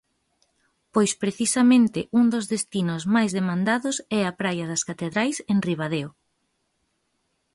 Pois precisamente un dos destinos máis demandados é a praia das Catedrais en Ribadeo.